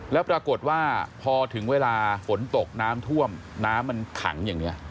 แล้วปรากฏว่าพอถึงเวลาฝนตกน้ำท่วมน้ำมันขังอย่างนี้